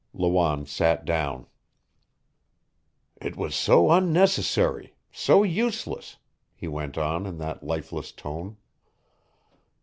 Lawanne sat down. "It was so unnecessary; so useless," he went on in that lifeless tone.